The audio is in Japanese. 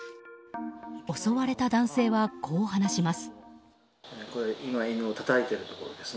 襲われた男性は、こう話します。